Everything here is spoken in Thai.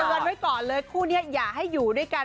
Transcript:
เตือนไว้ก่อนเลยคู่นี้อย่าให้อยู่ด้วยกัน